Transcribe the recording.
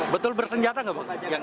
betul bersenjata nggak pak